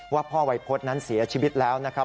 ว่าพ่อวัยพฤษนั้นเสียชีวิตแล้วนะครับ